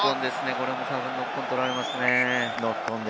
これもたぶんノックオンを取られますね。